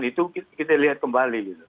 itu kita lihat kembali